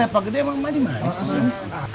pak gede emang manis manis sih